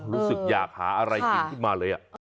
รู้สึกอยากหาอะไรกินขึ้นมาเลย